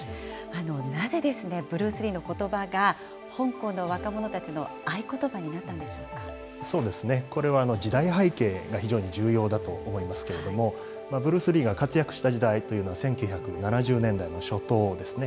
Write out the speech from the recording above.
なぜですね、ブルース・リーのことばが、香港の若者たちの合そうですね、これは時代背景が非常に重要だと思いますけれども、ブルース・リーが活躍した時代というのは、１９７０年代の初頭ですね。